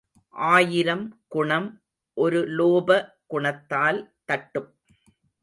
ஆயிரம் குணம் ஒரு லோப குணத்தால் தட்டும்.